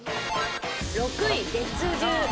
６位月１０。